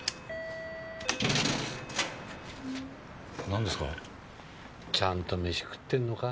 何ですか？